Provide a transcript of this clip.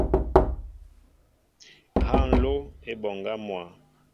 Ha nló a e mɓoŋga mwa.